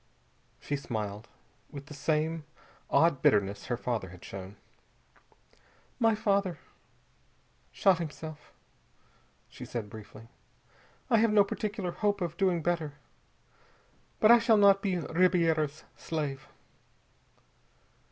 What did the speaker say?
She smiled, with the same odd bitterness her father had shown. "My father shot himself," she said briefly. "I have no particular hope of doing better. But I shall not be Ribiera's slave."